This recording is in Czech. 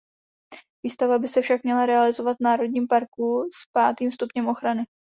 Výstavba by se však měla realizovat v národním parku s pátým stupněm ochrany.